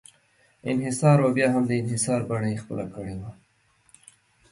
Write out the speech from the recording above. انحصار او بیا هم د انحصار بڼه یې خپله کړې وه.